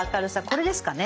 これですかね。